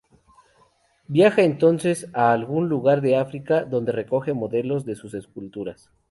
Viaja entonces a algún lugar de África, donde recoge modelos para sus esculturas.